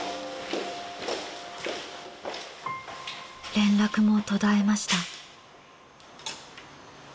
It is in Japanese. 連絡も途絶えました。